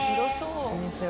こんにちは。